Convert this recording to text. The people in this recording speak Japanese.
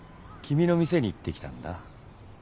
君の店に行って来たんだ。